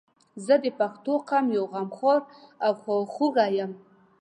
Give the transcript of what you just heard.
زه د پښتون قوم یو غمخوار او خواخوږی یم